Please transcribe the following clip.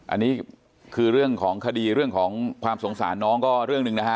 อันนี้คือเรื่องของคดีเรื่องของความสงสารน้องก็เรื่องหนึ่งนะฮะ